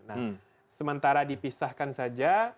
nah sementara dipisahkan saja